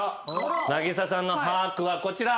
渚さんのハアクはこちら。